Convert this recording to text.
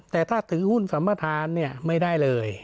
แต่ถ้าถือหุ้นสัมประธานไม่ได้เลย